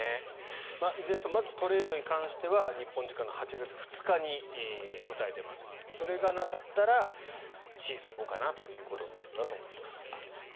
いずれにしてもまずトレードに関しては日本時間の８月２日に答えが出ますのでそれがなかったらシーズン後かなということになるんだと思います。